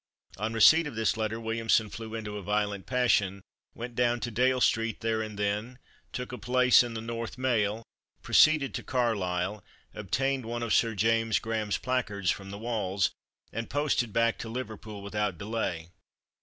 On receipt of this letter Williamson flew into a violent passion, went down to Dale street there and then, took a place in the North Mail, proceeded to Carlisle, obtained one of Sir James Graham's placards from the walls, and posted back to Liverpool without delay.